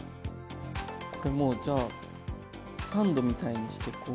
もうじゃあサンドみたいにしてこう。